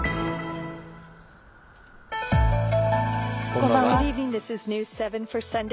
こんばんは。